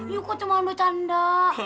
yuka cuma ngecanda